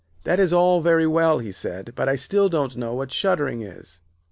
'That is all very well,' he said; 'but still I don't know what shuddering is.'